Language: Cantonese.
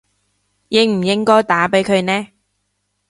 應唔應該打畀佢呢